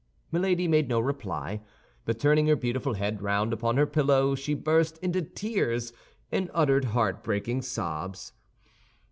Milady made no reply, but turning her beautiful head round upon her pillow, she burst into tears, and uttered heartbreaking sobs.